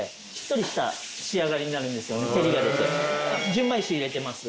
純米酒入れてます。